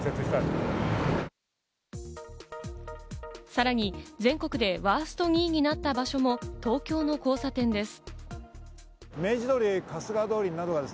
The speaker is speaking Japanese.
さらに全国でワースト２位になった場所も東京の交差点です。